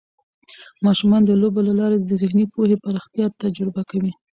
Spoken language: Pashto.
ماشومان د لوبو له لارې د ذهني پوهې پراختیا تجربه کوي.